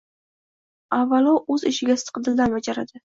Avvalo, o‘z ishiga sidqidildan bajaradi.